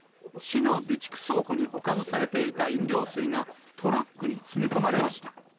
市の備蓄倉庫に保管されていた飲料水がトラックに積み込まれました。